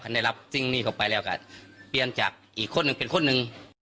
ได้รับสิ่งนี้เข้าไปแล้วก็เปลี่ยนจากอีกคนหนึ่งเป็นคนหนึ่ง